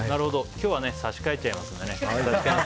今日は差し替えちゃいますのでね。